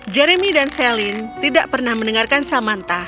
jeremy dan celine tidak pernah mendengarkan samantha